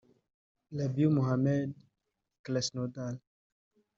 Rabiu Mohammed (Krasnodar